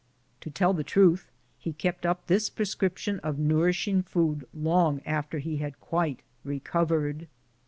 To tell the truth, he kept up this prescription of nourishing food long after he had quite recovered.